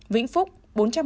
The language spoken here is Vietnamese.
vĩnh phúc bốn trăm một mươi tám